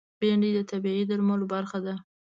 بېنډۍ د طبعي درملو برخه ده